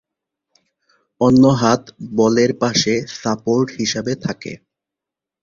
অন্য হাত বলের পাশে সাপোর্ট হিসেবে থাকে।